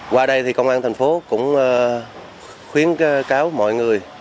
qua đây thì công an thành phố cũng khuyến cáo mọi người